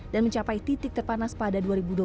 dan mencapai titik terpanas pada dua ribu dua puluh satu